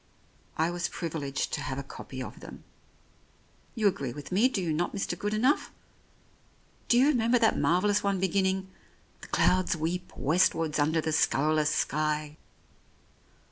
I was privileged to have a copy of them. You agree with me, do you not, Mr. Good enough? Do you remember that marvellous one beginning, ' The clouds weep westwards under the scurrilous sky